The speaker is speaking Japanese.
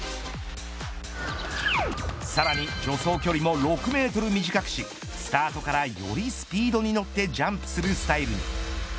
さらに助走距離も６メートル短くしスタートからよりスピードに乗ってジャンプするスタイルに。